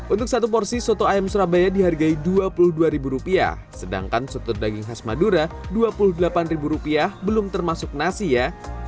untuk satu porsi soto ayam surabaya dihargai rp dua puluh dua sedangkan soto daging khas madura rp dua puluh delapan belum termasuk nasi ya